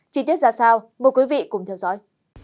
chi tiết ra sao mời quý vị cùng theo dõi